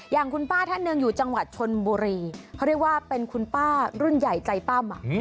อย่างคุณป้าท่านหนึ่งอยู่จังหวัดชนบุรีเขาเรียกว่าเป็นคุณป้ารุ่นใหญ่ใจปั้ม